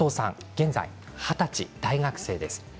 現在二十歳、大学生です。